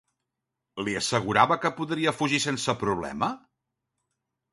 Li assegurava que podria fugir sense problema?